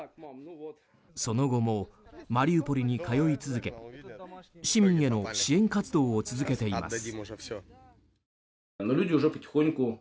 その後もマリウポリに通い続け市民への支援活動を続けています。